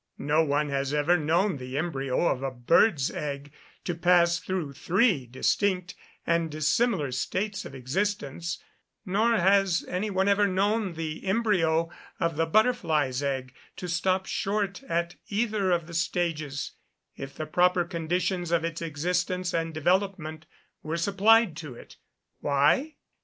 No one has ever known the embryo of a bird's egg to pass through three distinct and dissimilar states of existence; nor has any one ever known the embryo of the butterfly's egg to stop short at either of the stages, if the proper conditions of its existence and development were supplied to it. _Why?